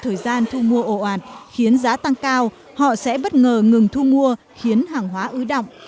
thời gian thu mua ổ ạt khiến giá tăng cao họ sẽ bất ngờ ngừng thu mua khiến hàng hóa ứ động